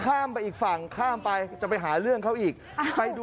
แล้วอ้างด้วยว่าผมเนี่ยทำงานอยู่โรงพยาบาลดังนะฮะกู้ชีพที่เขากำลังมาประถมพยาบาลดังนะฮะ